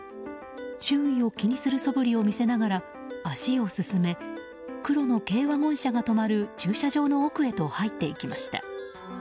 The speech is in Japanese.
周囲を気にするそぶりを見せながら足を進め黒の軽ワゴン車が止まる駐車場の奥へと入っていきました。